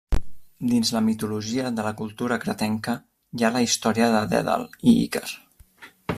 Dins la mitologia de la cultura cretenca hi ha la història de Dèdal i Ícar.